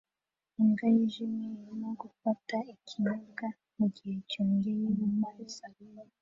Imbwa yijimye irimo gufata ikinyobwa mugihe cyogeye mumazi